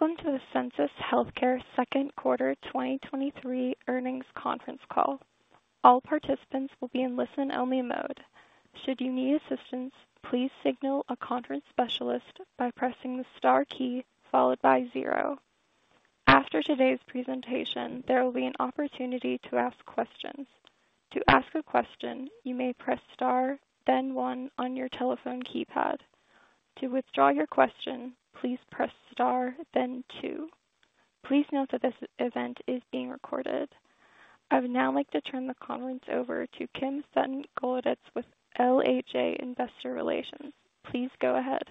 Welcome to the Sensus Healthcare Second Quarter 2023 Earnings Conference Call. All participants will be in listen-only mode. Should you need assistance, please signal a conference specialist by pressing the star key followed by zero. After today's presentation, there will be an opportunity to ask questions. To ask a question, you may press star then one on your telephone keypad. To withdraw your question, please press star then two. Please note that this event is being recorded. I would now like to turn the conference over to Kim Sutton-Golodetz with LHA Investor Relations. Please go ahead.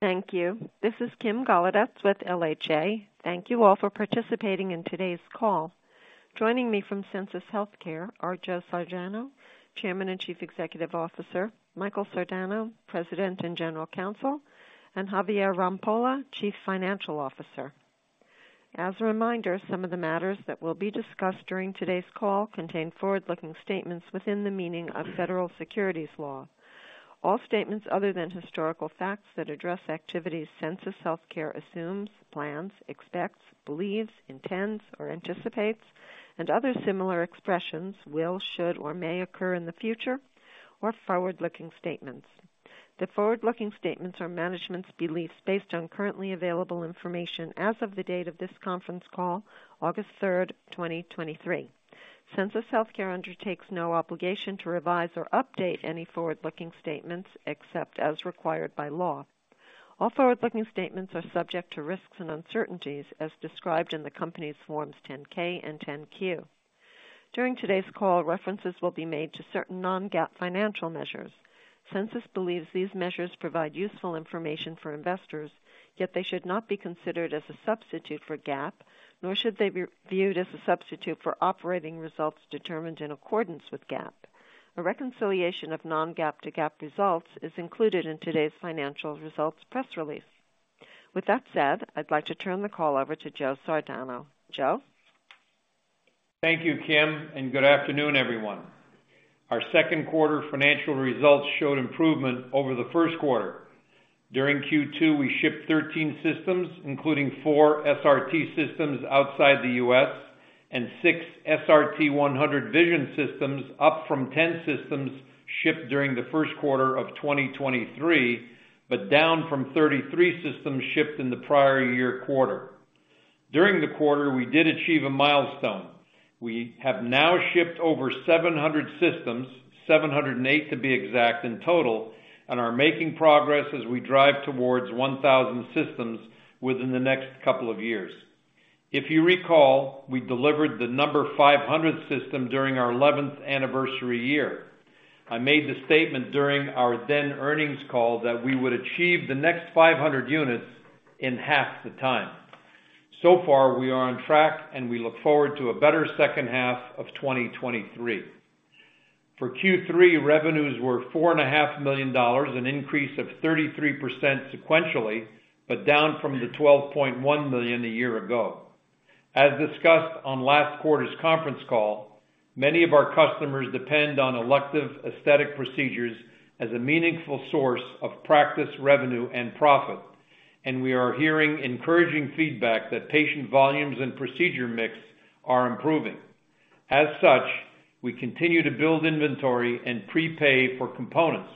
Thank you. This is Kim Golodetz with LHA. Thank you all for participating in today's call. Joining me from Sensus Healthcare are Joe Sardano, Chairman and Chief Executive Officer, Michael Sardano, President and General Counsel, and Javier Rampolla, Chief Financial Officer. As a reminder, some of the matters that will be discussed during today's call contain forward-looking statements within the meaning of federal securities law. All statements other than historical facts that address activities Sensus Healthcare assumes, plans, expects, believes, intends, or anticipates, and other similar expressions, will, should or may occur in the future are forward-looking statements. The forward-looking statements are management's beliefs based on currently available information as of the date of this conference call, August 3, 2023. Sensus Healthcare undertakes no obligation to revise or update any forward-looking statements except as required by law. All forward-looking statements are subject to risks and uncertainties as described in the company's Forms Form 10-K and Form 10-Q. During today's call, references will be made to certain non-GAAP financial measures. Sensus believes these measures provide useful information for investors, yet they should not be considered as a substitute for GAAP, nor should they be viewed as a substitute for operating results determined in accordance with GAAP. A reconciliation of non-GAAP to GAAP results is included in today's financial results press release. With that said, I'd like to turn the call over to Joe Sardano. Joe? Thank you, Kim. Good afternoon, everyone. Our second quarter financial results showed improvement over the first quarter. During Q2, we shipped 13 systems, including 4 SRT systems outside the US and 6 SRT-100 Vision systems, up from 10 systems shipped during the first quarter of 2023, but down from 33 systems shipped in the prior year quarter. During the quarter, we did achieve a milestone. We have now shipped over 700 systems, 708 to be exact, in total, and are making progress as we drive towards 1,000 systems within the next couple of years. If you recall, we delivered the number 500 system during our 11th anniversary year. I made the statement during our then earnings call that we would achieve the next 500 units in half the time. So far, we are on track and we look forward to a better second half of 2023. For Q3, revenues were $4.5 million, an increase of 33% sequentially, but down from the $12.1 million a year ago. As discussed on last quarter's conference call, many of our customers depend on elective aesthetic procedures as a meaningful source of practice, revenue and profit, and we are hearing encouraging feedback that patient volumes and procedure mix are improving. As such, we continue to build inventory and prepay for components.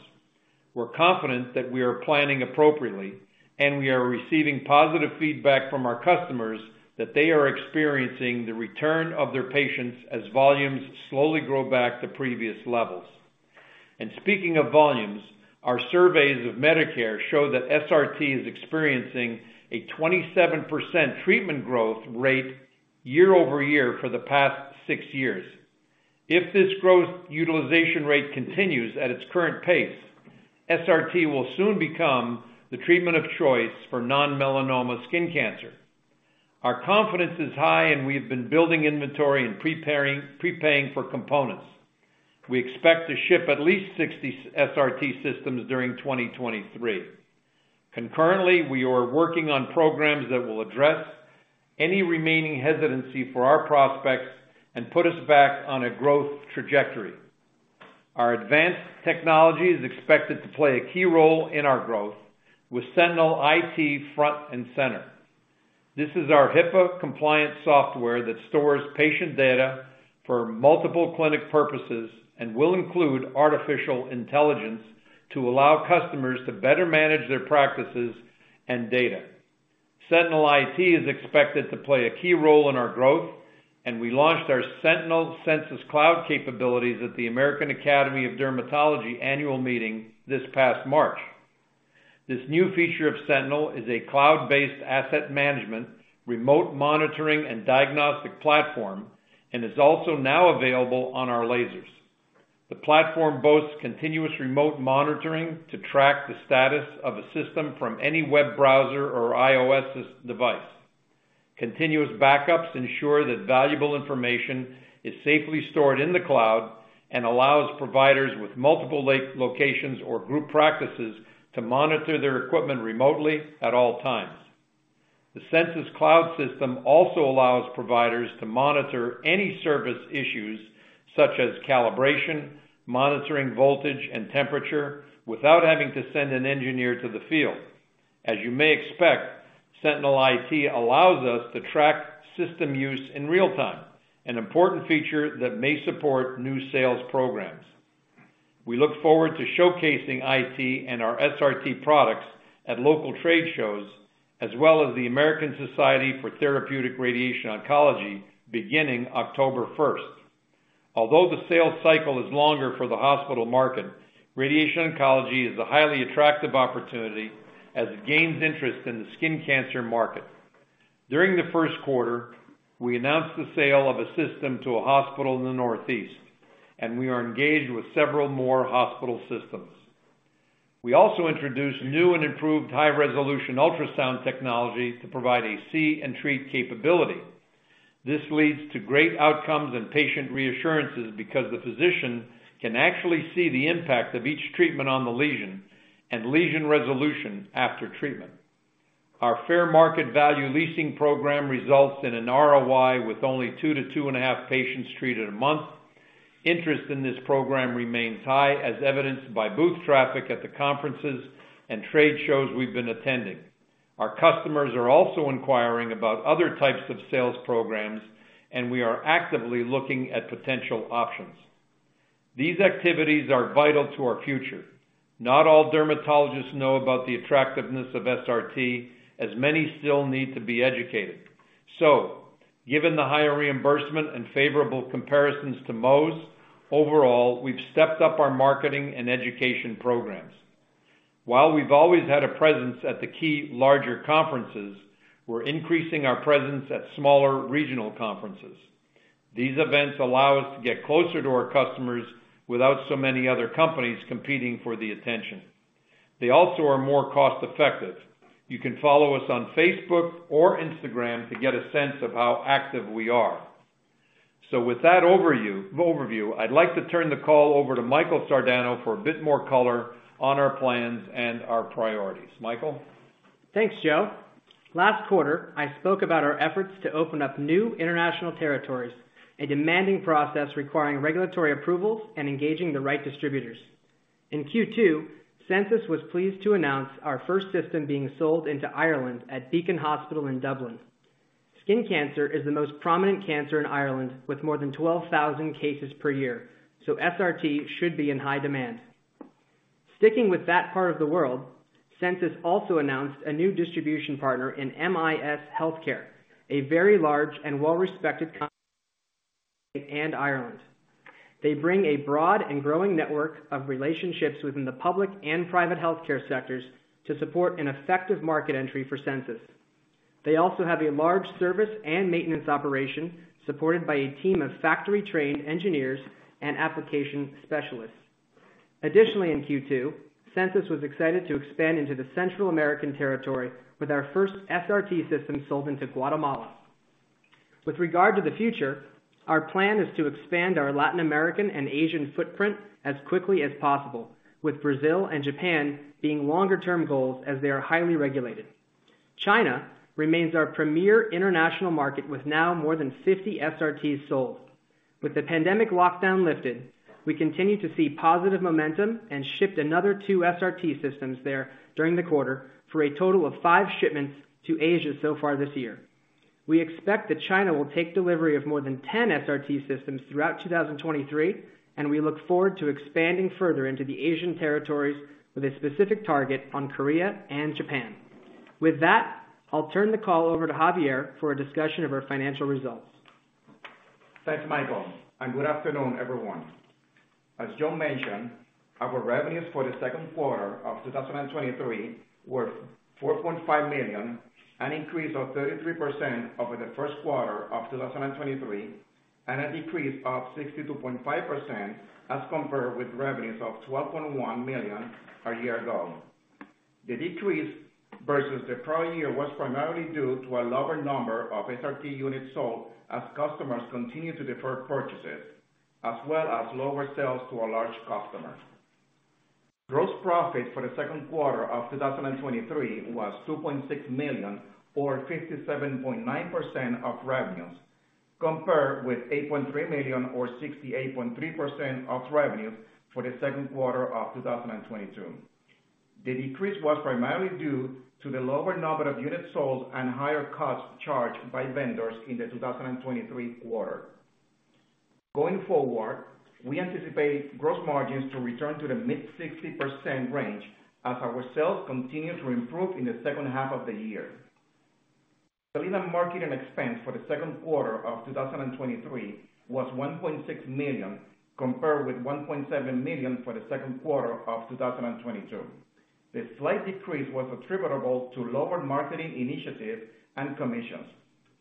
We're confident that we are planning appropriately and we are receiving positive feedback from our customers that they are experiencing the return of their patients as volumes slowly grow back to previous levels. Speaking of volumes, our surveys of Medicare show that SRT is experiencing a 27% treatment growth rate year-over-year for the past 6 years. If this growth utilization rate continues at its current pace, SRT will soon become the treatment of choice for nonmelanoma skin cancer. Our confidence is high. We've been building inventory and prepaying for components. We expect to ship at least 60 SRT systems during 2023. Concurrently, we are working on programs that will address any remaining hesitancy for our prospects and put us back on a growth trajectory. Our advanced technology is expected to play a key role in our growth, with Sentinel IT front and center. This is our HIPAA-compliant software that stores patient data for multiple clinic purposes and will include artificial intelligence to allow customers to better manage their practices and data. Sentinel IT is expected to play a key role in our growth. We launched our Sentinel Sensus Cloud capabilities at the American Academy of Dermatology annual meeting this past March. This new feature of Sentinel is a cloud-based asset management, remote monitoring, and diagnostic platform, and is also now available on our lasers. The platform boasts continuous remote monitoring to track the status of a system from any web browser or iOS device. Continuous backups ensure that valuable information is safely stored in the cloud and allows providers with multiple locations or group practices to monitor their equipment remotely at all times. The Sensus Cloud system also allows providers to monitor any service issues, such as calibration, monitoring, voltage, and temperature, without having to send an engineer to the field. as you may expect, Sentinel IT allows us to track system use in real time, an important feature that may support new sales programs. We look forward to showcasing IT and our SRT products at local trade shows, as well as the American Society for Radiation Oncology, beginning October first. Although the sales cycle is longer for the hospital market, radiation oncology is a highly attractive opportunity as it gains interest in the skin cancer market. During the first quarter, we announced the sale of a system to a hospital in the Northeast, and we are engaged with several more hospital systems. We also introduced new and improved high-resolution ultrasound technology to provide a see and treat capability. This leads to great outcomes and patient reassurances because the physician can actually see the impact of each treatment on the lesion and lesion resolution after treatment. Our fair market value leasing program results in an ROI with only 2 to 2.5 patients treated a month. Interest in this program remains high, as evidenced by booth traffic at the conferences and trade shows we've been attending. Our customers are also inquiring about other types of sales programs, and we are actively looking at potential options. These activities are vital to our future. Not all dermatologists know about the attractiveness of SRT, as many still need to be educated. Given the higher reimbursement and favorable comparisons to most, overall, we've stepped up our marketing and education programs. While we've always had a presence at the key larger conferences, we're increasing our presence at smaller regional conferences. These events allow us to get closer to our customers without so many other companies competing for the attention. They also are more cost-effective. You can follow us on Facebook or Instagram to get a sense of how active we are. With that overview, overview, I'd like to turn the call over to Michael Sardano for a bit more color on our plans and our priorities. Michael? Thanks, Joe. Last quarter, I spoke about our efforts to open up new international territories, a demanding process requiring regulatory approvals and engaging the right distributors. In Q2, Sensus was pleased to announce our first system being sold into Ireland at Beacon Hospital in Dublin. Skin cancer is the most prominent cancer in Ireland, with more than 12,000 cases per year, so SRT should be in high demand. Sticking with that part of the world, Sensus also announced a new distribution partner in MIS Healthcare, a very large and well-respected company and Ireland. They bring a broad and growing network of relationships within the public and private healthcare sectors to support an effective market entry for Sensus. They also have a large service and maintenance operation, supported by a team of factory-trained engineers and application specialists. Additionally, in Q2, Sensus was excited to expand into the Central American territory with our first SRT system sold into Guatemala. With regard to the future, our plan is to expand our Latin American and Asian footprint as quickly as possible, with Brazil and Japan being longer-term goals as they are highly regulated. China remains our premier international market, with now more than 50 SRTs sold. With the pandemic lockdown lifted, we continue to see positive momentum and shipped another 2 SRT systems there during the quarter, for a total of 5 shipments to Asia so far this year. We expect that China will take delivery of more than 10 SRT systems throughout 2023, and we look forward to expanding further into the Asian territories with a specific target on Korea and Japan. With that, I'll turn the call over to Javier for a discussion of our financial results. Thanks, Michael. Good afternoon, everyone. As Joe mentioned, our revenues for the second quarter of 2023 were $4.5 million, an increase of 33% over the first quarter of 2023, and a decrease of 62.5% as compared with revenues of $12.1 million a year ago. The decrease versus the prior year was primarily due to a lower number of SRT units sold, as customers continued to defer purchases, as well as lower sales to a large customer. Gross profit for the second quarter of 2023 was $2.6 million, or 57.9% of revenues, compared with $8.3 million, or 68.3% of revenues for the second quarter of 2022. The decrease was primarily due to the lower number of units sold and higher costs charged by vendors in the 2023 quarter. Going forward, we anticipate gross margins to return to the mid-60% range as our sales continue to improve in the second half of the year. Selling and marketing expense for the second quarter of 2023 was $1.6 million, compared with $1.7 million for the second quarter of 2022. The slight decrease was attributable to lower marketing initiatives and commissions,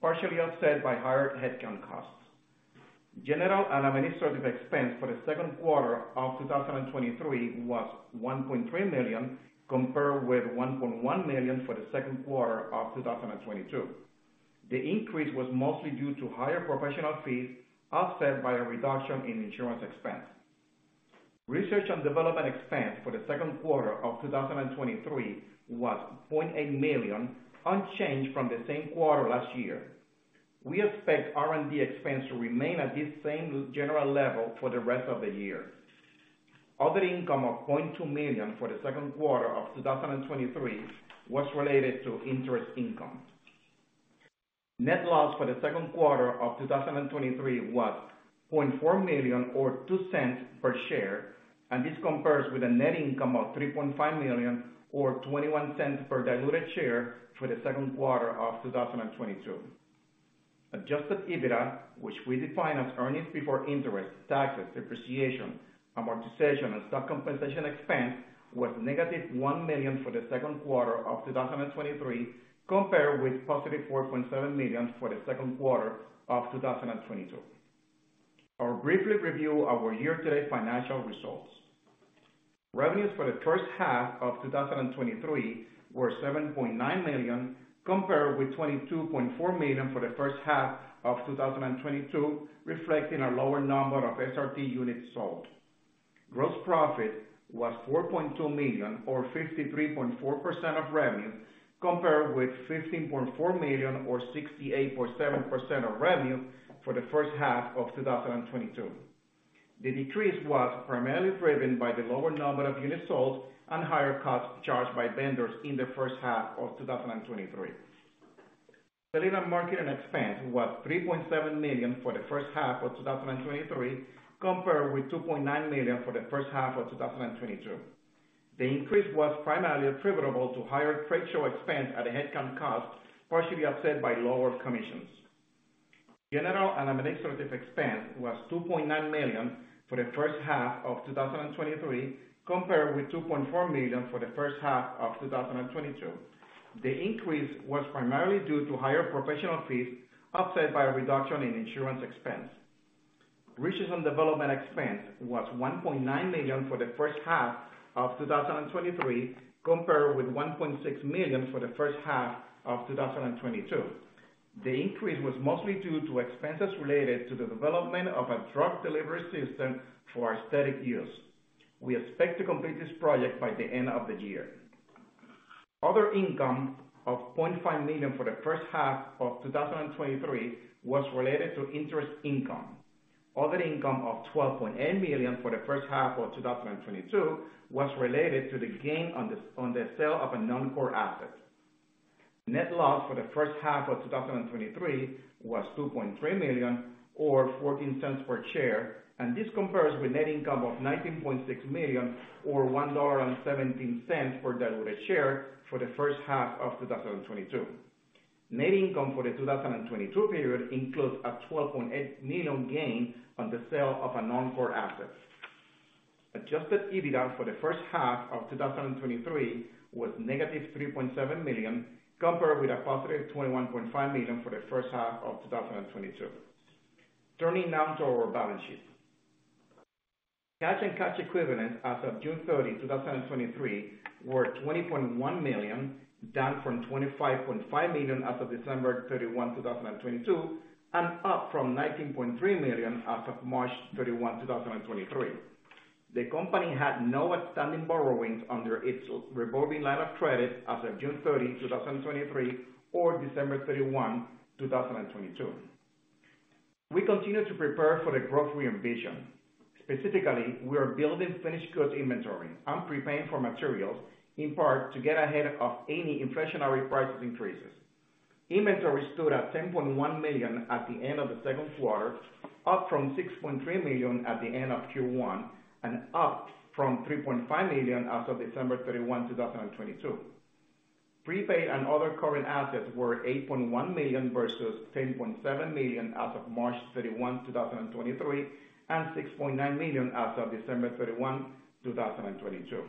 partially offset by higher headcount costs. General and administrative expense for the second quarter of 2023 was $1.3 million, compared with $1.1 million for the second quarter of 2022. The increase was mostly due to higher professional fees, offset by a reduction in insurance expense. Research and development expense for the second quarter of 2023 was $0.8 million, unchanged from the same quarter last year. We expect R&D expense to remain at this same general level for the rest of the year. Other income of $0.2 million for the second quarter of 2023 was related to interest income. Net loss for the second quarter of 2023 was $0.4 million, or $0.02 per share, this compares with a net income of $3.5 million, or $0.21 per diluted share for the second quarter of 2022. Adjusted EBITDA, which we define as earnings before interest, taxes, depreciation, amortization, and stock compensation expense, was negative $1 million for the second quarter of 2023, compared with positive $4.7 million for the second quarter of 2022. I'll briefly review our year-to-date financial results. Revenues for the first half of 2023 were $7.9 million, compared with $22.4 million for the first half of 2022, reflecting a lower number of SRT units sold. Gross profit was $4.2 million or 53.4% of revenue, compared with $15.4 million or 68.7% of revenue for the first half of 2022. The decrease was primarily driven by the lower number of units sold and higher costs charged by vendors in the first half of 2023. Selling and marketing expense was $3.7 million for the first half of 2023, compared with $2.9 million for the first half of 2022. The increase was primarily attributable to higher trade show expense at a head count cost, partially offset by lower commissions. General and administrative expense was $2.9 million for the first half of 2023, compared with $2.4 million for the first half of 2022. The increase was primarily due to higher professional fees, offset by a reduction in insurance expense. Research and development expense was $1.9 million for the first half of 2023, compared with $1.6 million for the first half of 2022. The increase was mostly due to expenses related to the development of a drug delivery system for aesthetic use. We expect to complete this project by the end of the year. Other income of $0.5 million for the first half of 2023 was related to interest income. Other income of $12.8 million for the first half of 2022 was related to the gain on the sale of a non-core asset. Net loss for the first half of 2023 was $2.3 million or $0.14 per share. This compares with net income of $19.6 million or $1.17 per diluted share for the first half of 2022. Net income for the 2022 period includes a $12.8 million gain on the sale of a non-core asset. Adjusted EBITDA for the first half of 2023 was negative $3.7 million, compared with a positive $21.5 million for the first half of 2022. Turning now to our balance sheet. Cash and cash equivalents as of June 30, 2023, were $20.1 million, down from $25.5 million as of December 31, 2022, and up from $19.3 million as of March 31, 2023. The company had no outstanding borrowings under its revolving line of credit as of June 30, 2023, or December 31, 2022. We continue to prepare for the growth we envision. Specifically, we are building finished goods inventory and prepaying for materials, in part to get ahead of any inflationary price increases. Inventory stood at $10.1 million at the end of 2Q, up from $6.3 million at the end of Q1, and up from $3.5 million as of December 31, 2022. Prepaid and other current assets were $8.1 million versus $10.7 million as of March 31, 2023, and $6.9 million as of December 31, 2022.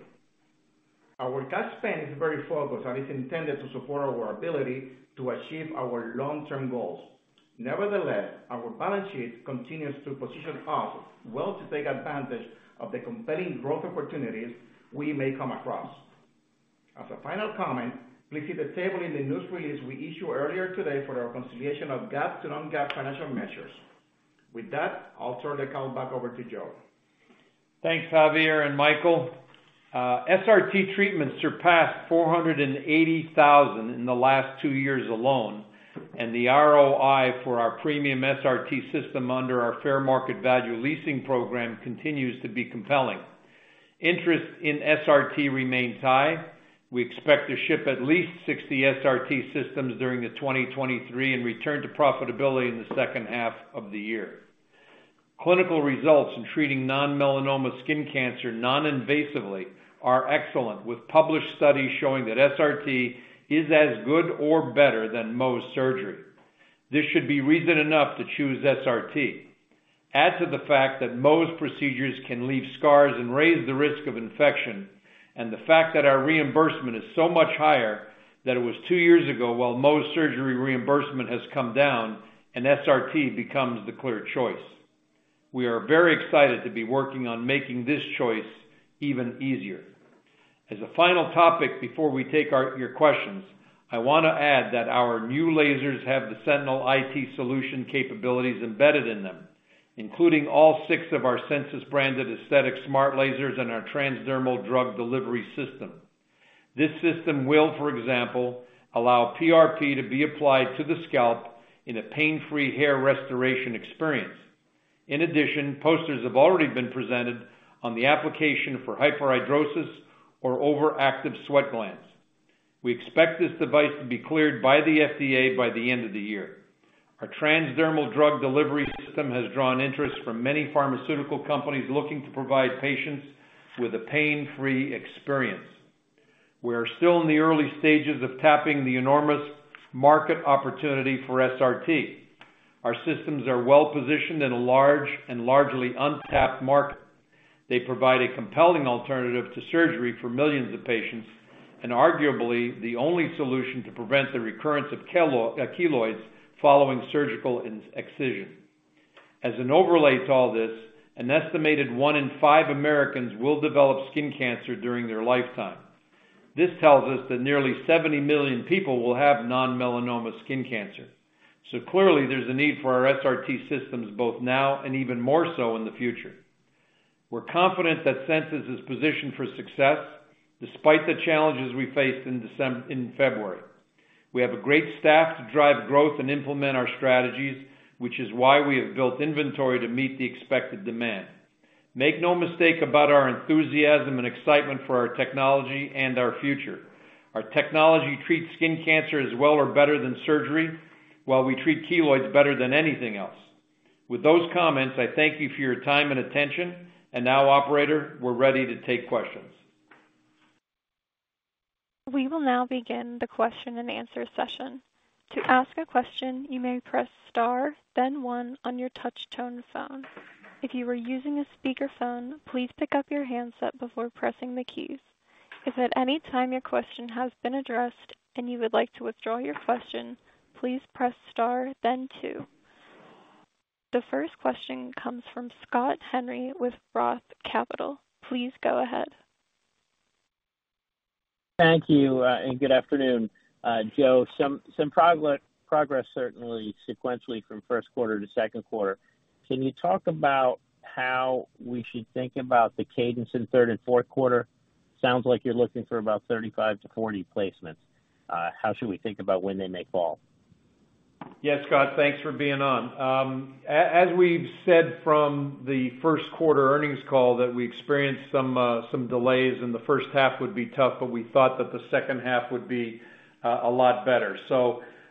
Our cash spend is very focused and is intended to support our ability to achieve our long-term goals. Nevertheless, our balance sheet continues to position us well to take advantage of the compelling growth opportunities we may come across. As a final comment, please see the table in the news release we issued earlier today for our reconciliation of GAAP to non-GAAP financial measures. With that, I'll turn the call back over to Joe. Thanks, Javier and Michael. SRT treatments surpassed 480,000 in the last 2 years alone, and the ROI for our premium SRT system under our fair market value leasing program continues to be compelling. Interest in SRT remains high. We expect to ship at least 60 SRT systems during 2023 and return to profitability in the second half of the year. Clinical results in treating nonmelanoma skin cancer non-invasively are excellent, with published studies showing that SRT is as good or better than Mohs surgery. This should be reason enough to choose SRT. Add to the fact that Mohs procedures can leave scars and raise the risk of infection, and the fact that our reimbursement is so much higher than it was 2 years ago, while Mohs surgery reimbursement has come down, and SRT becomes the clear choice. We are very excited to be working on making this choice even easier. As a final topic, before we take your questions, I want to add that our new lasers have the Sentinel IT solution capabilities embedded in them, including all six of our Sensus-branded aesthetic smart lasers and our transdermal drug delivery system. This system will, for example, allow PRP to be applied to the scalp in a pain-free hair restoration experience. Posters have already been presented on the application for hyperhidrosis or overactive sweat glands. We expect this device to be cleared by the FDA by the end of the year. Our transdermal drug delivery system has drawn interest from many pharmaceutical companies looking to provide patients with a pain-free experience. We are still in the early stages of tapping the enormous market opportunity for SRT. Our systems are well positioned in a large and largely untapped market. They provide a compelling alternative to surgery for millions of patients, and arguably, the only solution to prevent the recurrence of keloids following surgical incision. As an overlay to all this, an estimated 1 in 5 Americans will develop skin cancer during their lifetime. This tells us that nearly 70 million people will have non-melanoma skin cancer. Clearly, there's a need for our SRT systems, both now and even more so in the future. We're confident that Sensus is positioned for success despite the challenges we faced in February. We have a great staff to drive growth and implement our strategies, which is why we have built inventory to meet the expected demand. Make no mistake about our enthusiasm and excitement for our technology and our future. Our technology treats skin cancer as well or better than surgery, while we treat keloids better than anything else. With those comments, I thank you for your time and attention. Now, operator, we're ready to take questions. We will now begin the question-and-answer session. To ask a question, you may press star, then one on your touch tone phone. If you are using a speakerphone, please pick up your handset before pressing the keys. If at any time your question has been addressed and you would like to withdraw your question, please press star, then two. The first question comes from Scott Henry with ROTH Capital. Please go ahead. Thank you, and good afternoon. Joe, some, some progress, certainly sequentially from first quarter to second quarter. Can you talk about how we should think about the cadence in third and fourth quarter? Sounds like you're looking for about 35-40 placements. How should we think about when they may fall? Yes, Scott, thanks for being on. As we've said from the first quarter earnings call, that we experienced some delays, and the first half would be tough, but we thought that the second half would be a lot better.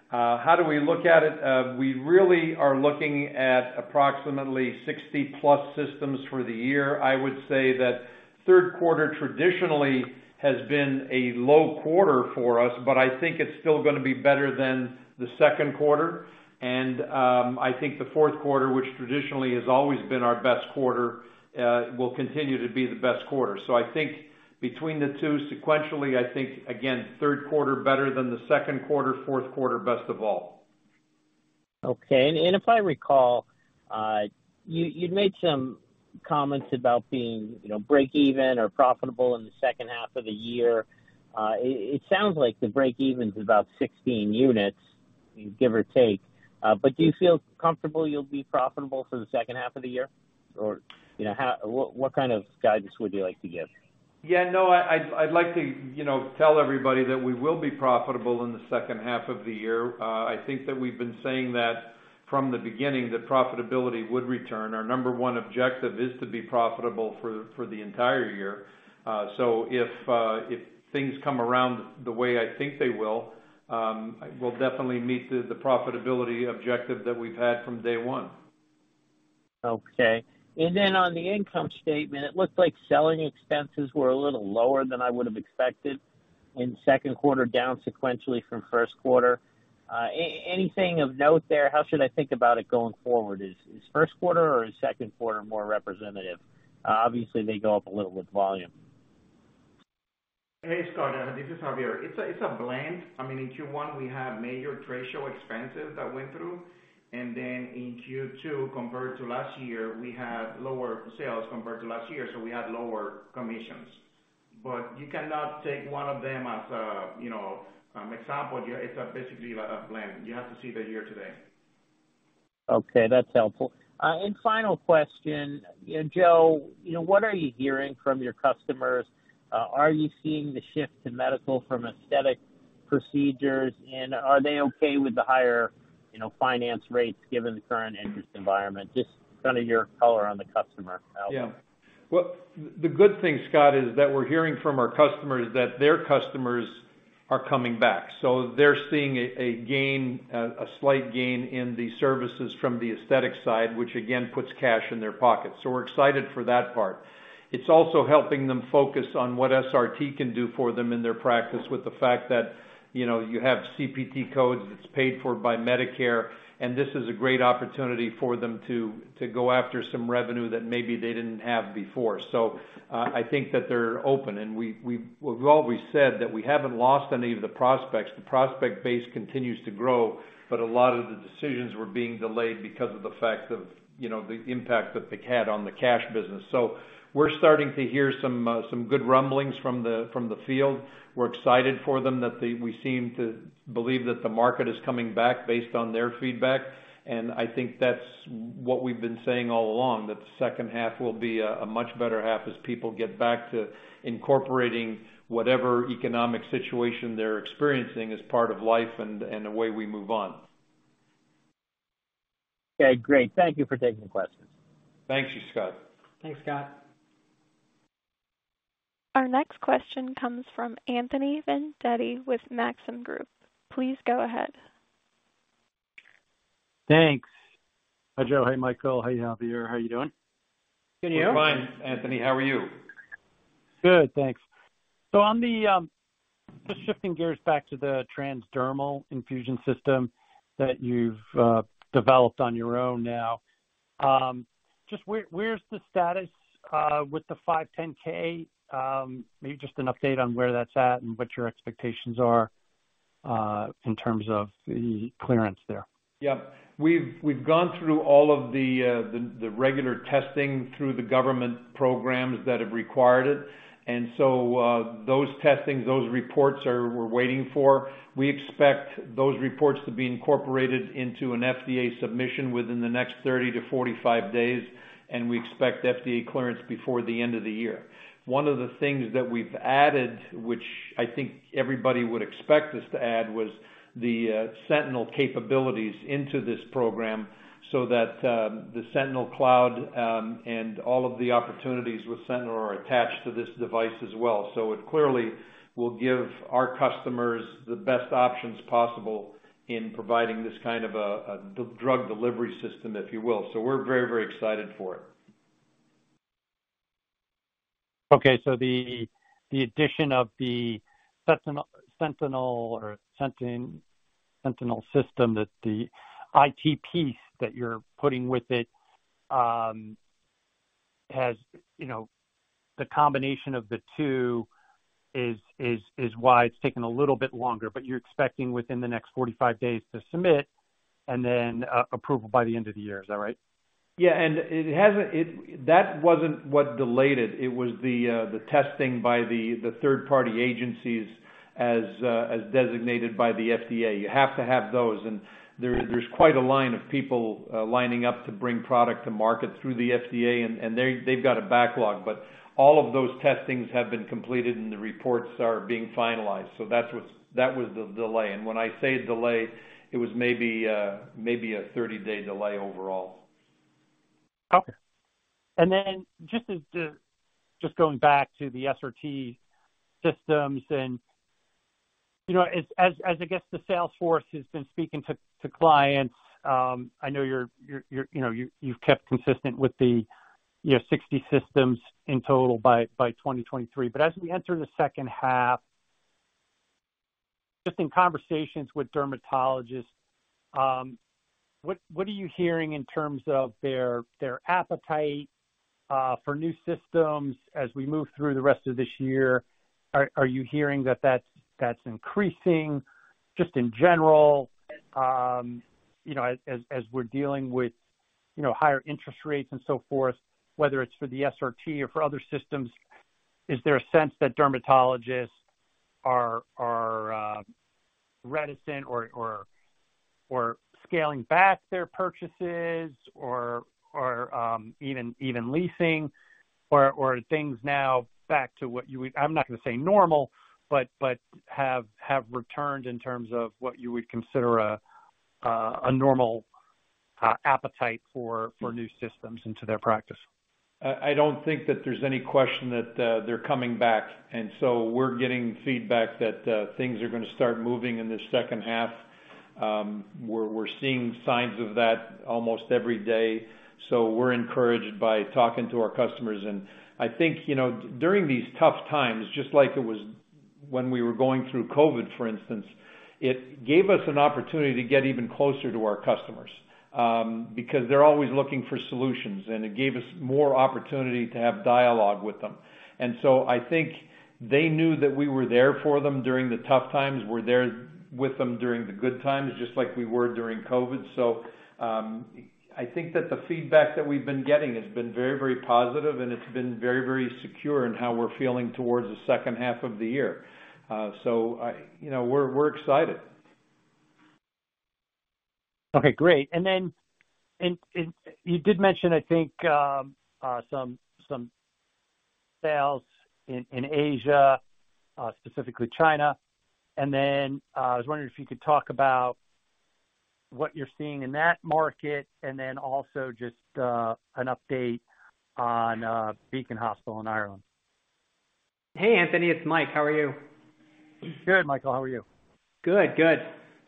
How do we look at it? We really are looking at approximately 60-plus systems for the year. I would say that third quarter traditionally has been a low quarter for us, but I think it's still gonna be better than the second quarter. I think the fourth quarter, which traditionally has always been our best quarter, will continue to be the best quarter. I think between the two, sequentially, I think, again, third quarter better than the second quarter, fourth quarter, best of all. Okay. If I recall, you, you'd made some comments about being, you know, break even or profitable in the second half of the year. It, it sounds like the break-even's about 16 units, give or take. Do you feel comfortable you'll be profitable for the second half of the year? Or, you know, what kind of guidance would you like to give? Yeah, no, I, I'd like to, you know, tell everybody that we will be profitable in the second half of the year. I think that we've been saying that from the beginning, that profitability would return. Our number one objective is to be profitable for the entire year. If things come around the way I think they will, we'll definitely meet the profitability objective that we've had from day one. Okay. On the income statement, it looks like selling expenses were a little lower than I would've expected in second quarter, down sequentially from first quarter. Anything of note there? How should I think about it going forward? Is first quarter or is second quarter more representative? Obviously, they go up a little with volume. Hey, Scott, this is Javier. It's a blend. I mean, in Q1, we had major trade show expenses that went through. In Q2, compared to last year, we had lower sales compared to last year, so we had lower commissions. You cannot take one of them as a, you know, example. It's basically a blend. You have to see the year-to-date. Okay, that's helpful. Final question, Joe, you know, what are you hearing from your customers? Are you seeing the shift in medical from aesthetic procedures, and are they okay with the higher, you know, finance rates given the current interest environment? Just kind of your color on the customer out. Well, the good thing, Scott, is that we're hearing from our customers that their customers are coming back. They're seeing a slight gain in the services from the aesthetic side, which again, puts cash in their pockets. We're excited for that part. It's also helping them focus on what SRT can do for them in their practice, with the fact that, you know, you have CPT codes, that's paid for by Medicare, this is a great opportunity for them to go after some revenue that maybe they didn't have before. I think that they're open, we've always said that we haven't lost any of the prospects. The prospect base continues to grow. A lot of the decisions were being delayed because of the fact of, you know, the impact that they had on the cash business. We're starting to hear some, some good rumblings from the, from the field. We're excited for them, that we seem to believe that the market is coming back based on their feedback. I think that's what we've been saying all along, that the second half will be a, a much better half as people get back to incorporating whatever economic situation they're experiencing as part of life and, and the way we move on. Okay, great. Thank you for taking the questions. Thank you, Scott. Thanks, Scott. Our next question comes from Anthony Vendetti with Maxim Group. Please go ahead. Thanks. Hi, Joe. Hey, Michael. How are you? How are you doing? Good and you? We're fine, Anthony. How are you? Good, thanks. On the, just shifting gears back to the transdermal infusion system that you've developed on your own now. Just where, where's the status with the 510(k) Maybe just an update on where that's at and what your expectations are in terms of the clearance there? Yeah. We've, we've gone through all of the, the, the regular testing through the government programs that have required it, those testings, those reports are, we're waiting for. We expect those reports to be incorporated into an FDA submission within the next 30 to 45 days. We expect FDA clearance before the end of the year. One of the things that we've added, which I think everybody would expect us to add, was the Sentinel capabilities into this program, so that the Sentinel Cloud and all of the opportunities with Sentinel are attached to this device as well. It clearly will give our customers the best options possible in providing this kind of a, a, drug delivery system, if you will. We're very, very excited for it. The, the addition of the Sentinel system, that the IT piece that you're putting with it, has, you know, the combination of the two is, is, is why it's taken a little bit longer, but you're expecting within the next 45 days to submit and then, approval by the end of the year. Is that right? Yeah, it hasn't. It, that wasn't what delayed it. It was the testing by the third-party agencies as designated by the FDA. You have to have those, and there, there's quite a line of people lining up to bring product to market through the FDA, and they've got a backlog. All of those testings have been completed, and the reports are being finalized, so that was the delay. When I say delay, it was maybe a 30-day delay overall. Okay. Then just as, just going back to the SRT systems and, you know, as, as, as I guess, the sales force has been speaking to, to clients, I know you're, you're, you're, you know, you, you've kept consistent with the, you know, 60 systems in total by, by 2023. As we enter the second half, just in conversations with dermatologists, what, what are you hearing in terms of their, their appetite for new systems as we move through the rest of this year? Are, are you hearing that that's, that's increasing just in general? You know, as, as we're dealing with, you know, higher interest rates and so forth, whether it's for the SRT or for other systems, is there a sense that dermatologists are, are, reticent or, or, or scaling back their purchases or, or, even, even leasing? Are things now back to what you would... I'm not going to say normal, but, but have, have returned in terms of what you would consider a normal appetite for, for new systems into their practice? I don't think that there's any question that they're coming back, and so we're getting feedback that things are gonna start moving in the second half. We're, we're seeing signs of that almost every day, so we're encouraged by talking to our customers. I think, you know, during these tough times, just like it was when we were going through COVID, for instance, it gave us an opportunity to get even closer to our customers, because they're always looking for solutions, and it gave us more opportunity to have dialogue with them. I think they knew that we were there for them during the tough times. We're there with them during the good times, just like we were during COVID. I think that the feedback that we've been getting has been very, very positive, and it's been very, very secure in how we're feeling towards the second half of the year. You know, we're, we're excited. Okay, great. And, and you did mention, I think, some, some sales in Asia, specifically China. I was wondering if you could talk about what you're seeing in that market, and then also just an update on Beacon Hospital in Ireland. Hey, Anthony, it's Mike. How are you? Good, Michael. How are you? Good, good.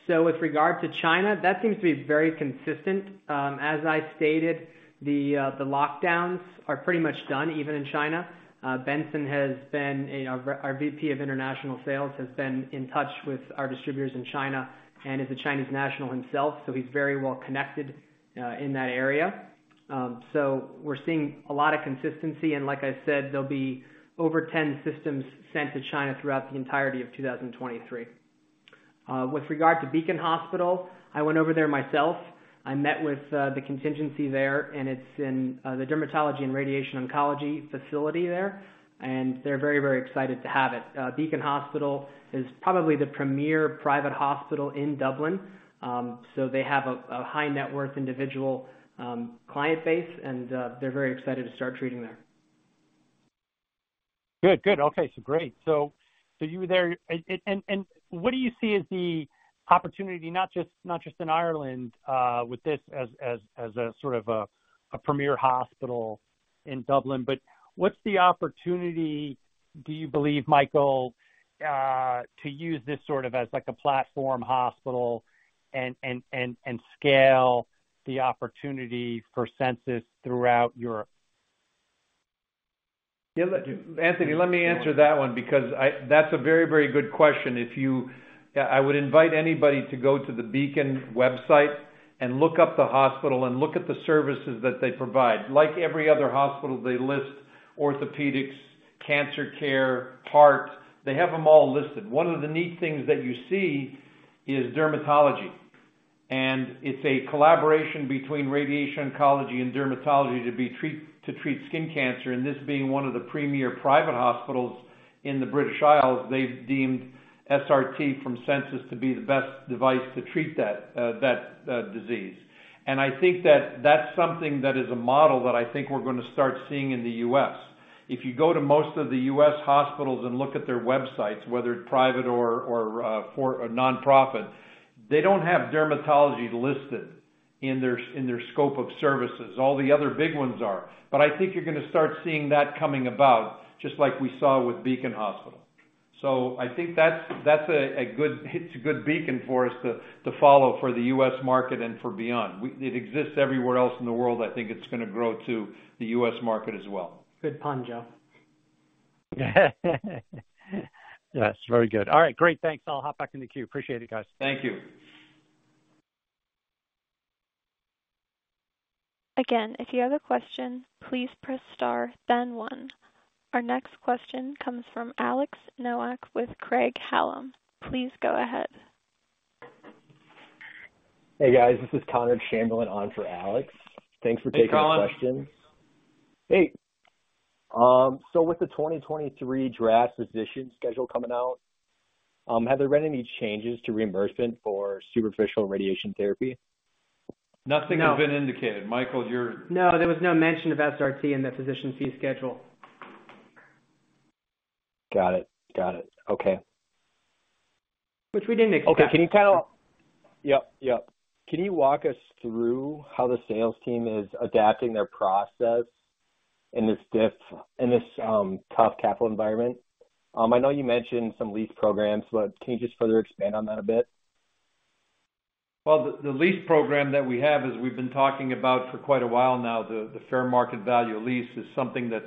With regard to China, that seems to be very consistent. As I stated, the lockdowns are pretty much done, even in China. Benson has been, you know, our VP of international sales, has been in touch with our distributors in China and is a Chinese national himself, so he's very well connected in that area. We're seeing a lot of consistency, and like I said, there'll be over 10 systems sent to China throughout the entirety of 2023. With regard to Beacon Hospital, I went over there myself. I met with the contingency there, and it's in the dermatology and radiation oncology facility there, and they're very, very excited to have it. Beacon Hospital is probably the premier private hospital in Dublin. They have a high net worth individual client base, and they're very excited to start treating there. Good, good. Okay, great. You were there. What do you see as the opportunity, not just, not just in Ireland, with this as a sort of a premier hospital in Dublin, but what's the opportunity, do you believe, Michael, to use this sort of as like a platform hospital and scale the opportunity for Sensus throughout Europe? Yeah, let Anthony, let me answer that one, because I that's a very, very good question. If you I would invite anybody to go to the Beacon website and look up the hospital and look at the services that they provide. Like every other hospital, they list orthopedics, cancer care, heart. They have them all listed. One of the neat things that you see is dermatology. It's a collaboration between radiation oncology and dermatology to treat skin cancer. This being one of the premier private hospitals in the British Isles, they've deemed SRT from Sensus to be the best device to treat that that disease. I think that that's something that is a model that I think we're gonna start seeing in the U.S. If you go to most of the U.S. hospitals and look at their websites, whether private or for a nonprofit, they don't have dermatology listed in their, in their scope of services. All the other big ones are. I think you're gonna start seeing that coming about, just like we saw with Beacon Hospital. I think that's a good beacon for us to, to follow for the U.S .market and for beyond. It exists everywhere else in the world. I think it's gonna grow to the U.S. market as well. Good pun, Joe. Yes, very good. All right, great, thanks. I'll hop back in the queue. Appreciate it, guys. Thank you. Again, if you have a question, please press Star then One. Our next question comes from Alex Nowak with Craig-Hallum. Please go ahead. Hey, guys, this is Connor Chamberlain on for Alex. Hey, Connor. Thanks for taking the question. Hey, with the 2023 draft Physician Schedule coming out, have there been any changes to reimbursement for superficial radiation therapy? Nothing has been indicated. Michael. No, there was no mention of SRT in the Physician Fee Schedule. Got it. Got it. Okay. Which we didn't expect. Okay. Can you tell... Yep, yep. Can you walk us through how the sales team is adapting their process in this tough capital environment? I know you mentioned some lease programs, but can you just further expand on that a bit? Well, the, the lease program that we have, as we've been talking about for quite a while now, the, the fair market value lease, is something that's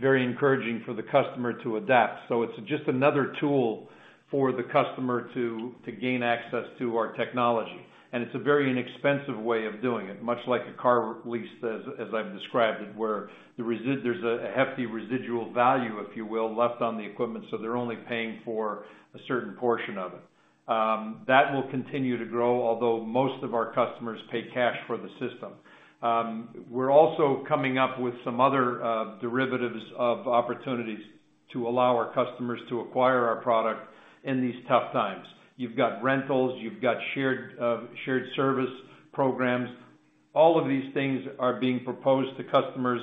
very encouraging for the customer to adapt. It's just another tool for the customer to, to gain access to our technology, and it's a very inexpensive way of doing it, much like a car lease, as, as I've described it, where the resid-- there's a, a hefty residual value, if you will, left on the equipment, so they're only paying for a certain portion of it. That will continue to grow, although most of our customers pay cash for the system. We're also coming up with some other, derivatives of opportunities to allow our customers to acquire our product in these tough times. You've got rentals, you've got shared, shared service programs. All of these things are being proposed to customers,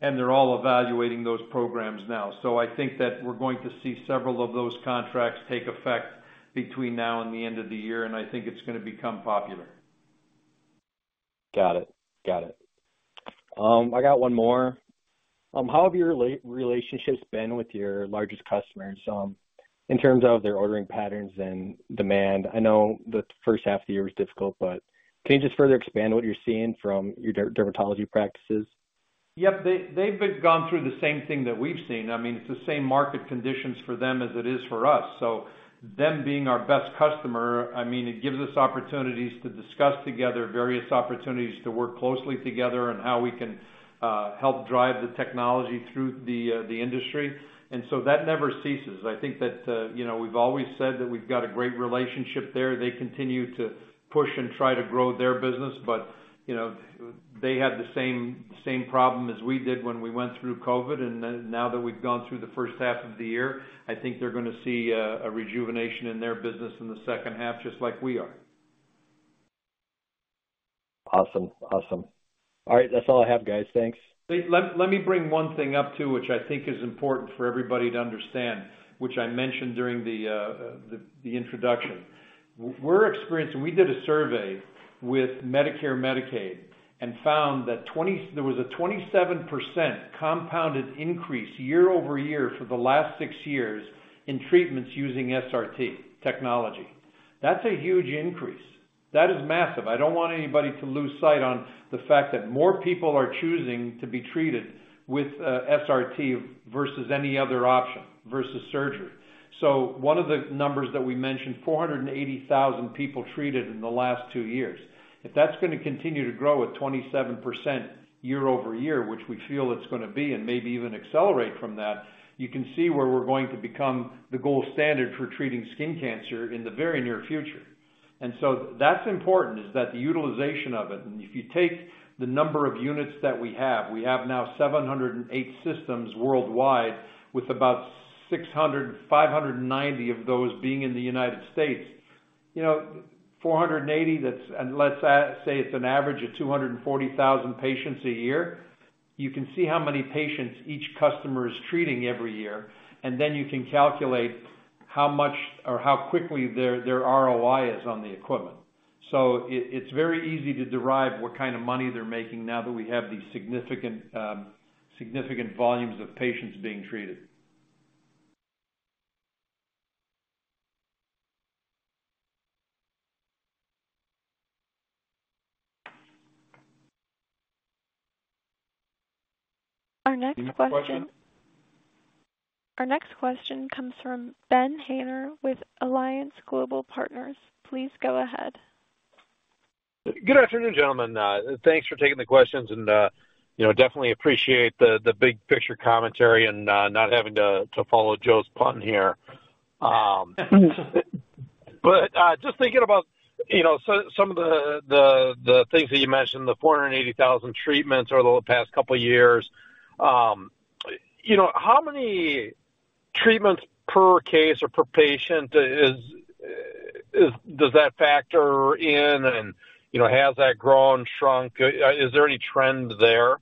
and they're all evaluating those programs now. I think that we're going to see several of those contracts take effect between now and the end of the year, and I think it's gonna become popular. Got it. Got it. I got 1 more. How have your relationships been with your largest customers, in terms of their ordering patterns and demand? I know the 1st half of the year was difficult, but can you just further expand what you're seeing from your dermatology practices? Yep. They, they've been gone through the same thing that we've seen. I mean, it's the same market conditions for them as it is for us. Them being our best customer, I mean, it gives us opportunities to discuss together various opportunities to work closely together on how we can help drive the technology through the industry. That never ceases. I think that, you know, we've always said that we've got a great relationship there. They continue to push and try to grow their business, you know, they had the same, same problem as we did when we went through COVID. Now that we've gone through the first half of the year, I think they're gonna see a, a rejuvenation in their business in the second half, just like we are. Awesome. Awesome. All right, that's all I have, guys. Thanks. Let me bring one thing up, too, which I think is important for everybody to understand, which I mentioned during the introduction. We did a survey with Medicare, Medicaid, and found that there was a 27% compounded increase year-over-year for the last 6 years in treatments using SRT technology. That's a huge increase. That is massive. I don't want anybody to lose sight on the fact that more people are choosing to be treated with SRT versus any other option, versus surgery. One of the numbers that we mentioned, 480,000 people treated in the last 2 years. If that's gonna continue to grow at 27% year-over-year, which we feel it's gonna be, and maybe even accelerate from that, you can see where we're going to become the gold standard for treating skin cancer in the very near future. So that's important, is that the utilization of it, if you take the number of units that we have, we have now 708 systems worldwide, with about 600, 590 of those being in the U.S. You know, 480, that's, let's say it's an average of 240,000 patients a year. You can see how many patients each customer is treating every year, then you can calculate how much or how quickly their, their ROI is on the equipment. It, it's very easy to derive what kind of money they're making now that we have these significant, significant volumes of patients being treated. Our next question- Next question. Our next question comes from Ben Haynor with Alliance Global Partners. Please go ahead. Good afternoon, gentlemen. Thanks for taking the questions, and, you know, definitely appreciate the, the big picture commentary and not having to, to follow Joe's pun here. Just thinking about, you know, some, some of the, the, the things that you mentioned, the 480,000 treatments over the past couple of years. You know, how many treatments per case or per patient is, is... Does that factor in? You know, has that grown, shrunk? Is there any trend there?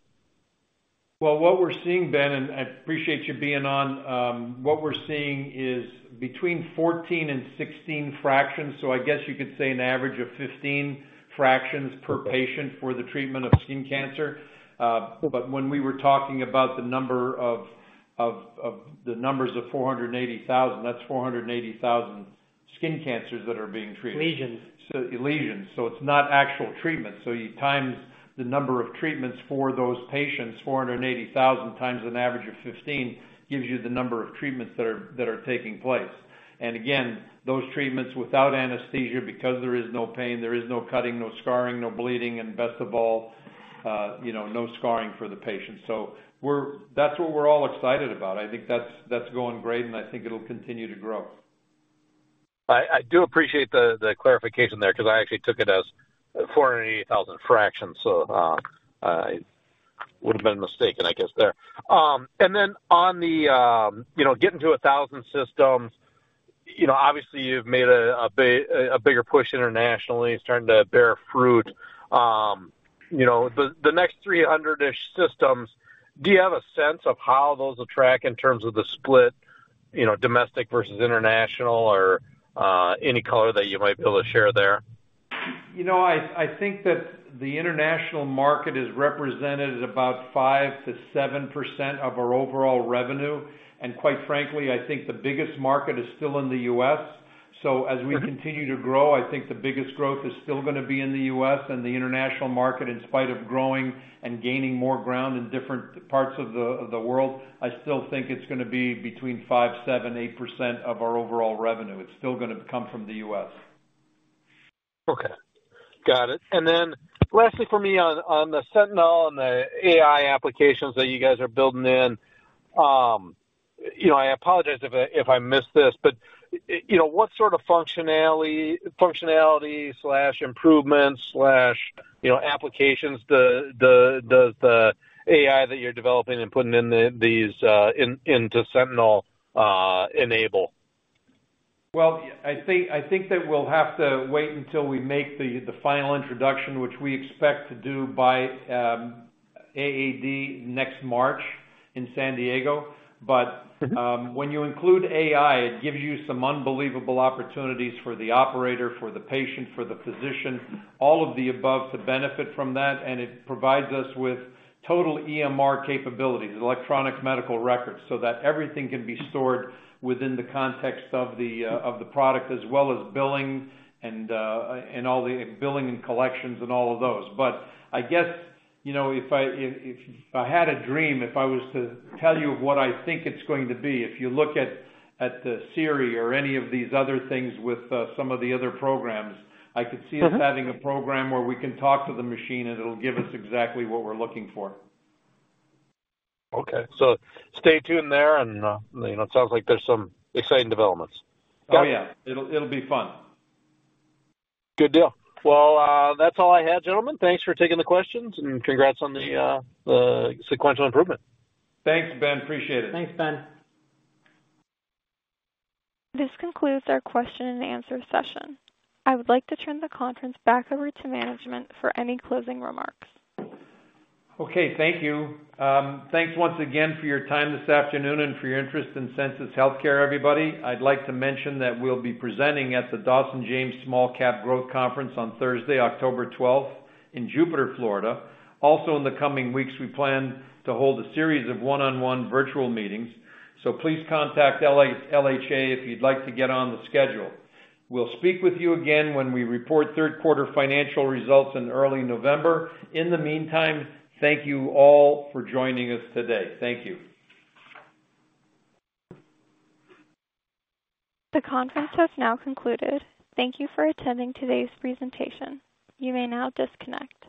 Well, what we're seeing, Ben, and I appreciate you being on, what we're seeing is between 14 and 16 fractions. So I guess you could say an average of 15 fractions per patient. Okay. - for the treatment of skin cancer. When we were talking about the number of, of, of, the numbers of 480,000, that's 480,000 skin cancers that are being treated. Lesions. Lesions, so it's not actual treatment. You times the number of treatments for those patients, 480,000 times an average of 15, gives you the number of treatments that are, that are taking place. Again, those treatments without anesthesia, because there is no pain, there is no cutting, no scarring, no bleeding, and best of all, you know, no scarring for the patient. We're-- That's what we're all excited about. I think that's, that's going great, and I think it'll continue to grow. I, I do appreciate the, the clarification there, 'cause I actually took it as 480,000 fractions, so, I would have been mistaken, I guess, there. Then on the, you know, getting to 1,000 systems, you know, obviously, you've made a, a big, a bigger push internationally. It's starting to bear fruit. You know, the, the next 300-ish systems, do you have a sense of how those will track in terms of the split, you know, domestic versus international, or any color that you might be able to share there? You know, I, I think that the international market is represented at about 5%-7% of our overall revenue. Quite frankly, I think the biggest market is still in the U.S.. Sure. As we continue to grow, I think the biggest growth is still gonna be in the U.S. and the international market, in spite of growing and gaining more ground in different parts of the world. I still think it's gonna be between 5%, 7%, 8% of our overall revenue. It's still gonna come from the U.S.. Okay, got it. Then lastly, for me, on, on the Sentinel and the AI applications that you guys are building in, you know, I apologize if I, if I missed this, but, you know, what sort of functionality, functionality slash improvements slash, you know, applications does the, the AI that you're developing and putting in the, these, into Sentinel, enable? Well, I think, I think that we'll have to wait until we make the, the final introduction, which we expect to do by, AAD next March in San Diego. Mm-hmm. When you include AI, it gives you some unbelievable opportunities for the operator, for the patient, for the physician, all of the above, to benefit from that. It provides us with total EMR capabilities, electronic medical records, so that everything can be stored within the context of the product, as well as billing and, and all the billing and collections and all of those. I guess, you know, if I, if, if I had a dream, if I was to tell you what I think it's going to be, if you look at, at the Siri or any of these other things with some of the other programs. Mm-hmm. I could see us having a program where we can talk to the machine, and it'll give us exactly what we're looking for. Okay. stay tuned there, and, you know, it sounds like there's some exciting developments. Oh, yeah. It'll, it'll be fun. Good deal. Well, that's all I had, gentlemen. Thanks for taking the questions, and congrats on the sequential improvement. Thanks, Ben. Appreciate it. Thanks, Ben. This concludes our question and answer session. I would like to turn the conference back over to management for any closing remarks. Okay. Thank you. Thanks once again for your time this afternoon and for your interest in Sensus Healthcare, everybody. I'd like to mention that we'll be presenting at the Dawson James Small Cap Growth Conference on Thursday, October 12th, in Jupiter, Florida. In the coming weeks, we plan to hold a series of one-on-one virtual meetings, so please contact LHA if you'd like to get on the schedule. We'll speak with you again when we report third quarter financial results in early November. In the meantime, thank you all for joining us today. Thank you. The conference has now concluded. Thank you for attending today's presentation. You may now disconnect.